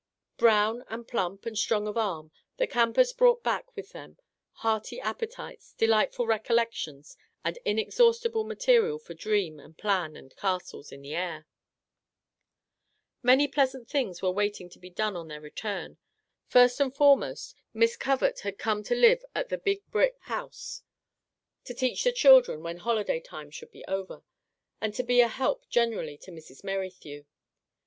Brown and plump and strong of arm, the campers brought back with them hearty appe tites, delightful recollections, and inexhaustible material for dream and plan and castles in the air. Many pleasant things were waiting to be done on their return ; first and foremost, Miss Covert had come to live at the Big Brick yo Our Little Canadian Cousin House, to teach the children when holiday time should be over, and to be a help generally to Mrs. Merrithew.